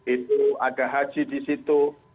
itu ada haji di situ